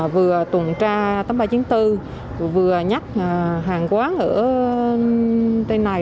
vừa tuần tra tấm ba bốn vừa nhắc hàng quán ở đây này